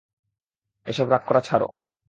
এসব রাগ করা ছাড়ো।